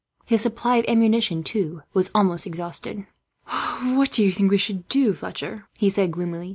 His supply of ammunition, too, was almost exhausted. "What do you think, Fletcher?" he said gloomily.